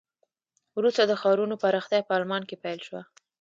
وروسته د ښارونو پراختیا په آلمان کې پیل شوه.